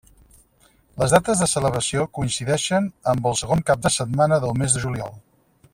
Les dates de celebració coincideixen amb el segon cap de setmana del mes de juliol.